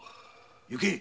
行け